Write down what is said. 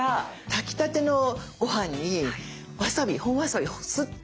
炊きたてのご飯にわさび本わさびをすって。